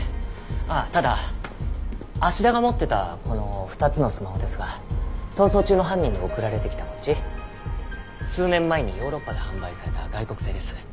ああただ芦田が持ってたこの２つのスマホですが逃走中の犯人に送られてきたこっち数年前にヨーロッパで販売された外国製です。